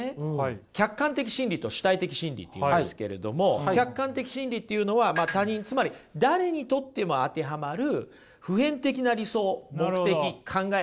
客観的真理と主体的真理っていうんですけれども客観的真理っていうのは他人つまり誰にとっても当てはまる普遍的な理想目的考えっていったものですね。